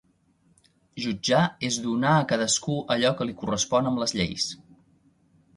Jutjar és donar a cadascú allò que li correspon amb les lleis.